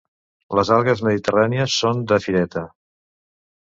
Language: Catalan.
Les algues mediterrànies són de fireta.